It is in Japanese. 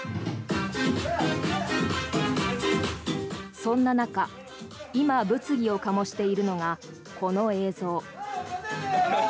そんな中、今物議を醸しているのがこの映像。